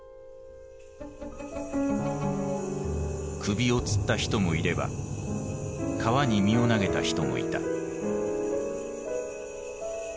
首をつった人もいれば川に身を投げた人もいた。